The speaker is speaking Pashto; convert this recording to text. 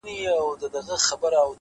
راكيټونو دي پر ما باندي را اوري؛